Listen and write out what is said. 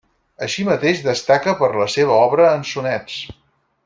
Així mateix destaca per la seva obra en sonets.